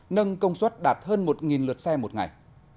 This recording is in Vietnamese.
nâng công suất đạt hơn một lượt xe một ngày